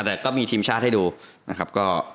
แต่ก็มีทีมชาติให้ดูนะครับ